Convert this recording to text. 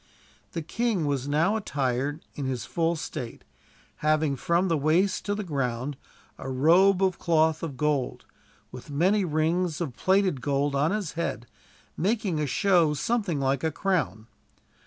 The king was now attired in his full state; having, from the waist to the ground, a robe of cloth of gold; with many rings of plated gold on his head, making a show something like a crown.